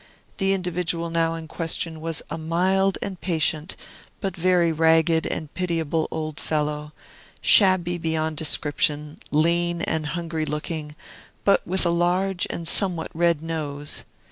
The individual now in question was a mild and patient, but very ragged and pitiable old fellow, shabby beyond description, lean and hungry looking, but with a large and somewhat red nose.